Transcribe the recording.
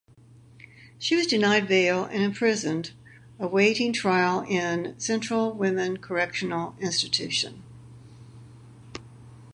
She was denied bail and imprisoned await trial in Central Women Correctional Institution.